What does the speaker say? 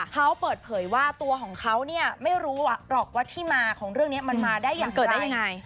เขาเปิดเผยว่าตัวของเขาเนี่ยไม่รู้หรอกว่าที่มาของเรื่องนี้มันมาได้อย่างเกิดได้ยังไง